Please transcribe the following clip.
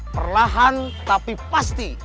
perlahan tapi pasti